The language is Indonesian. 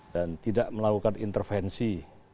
dan tidak melakukan intervensi